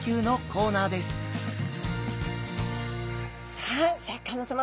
さあシャーク香音さま